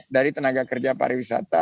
dari tenaga kerja pariwisata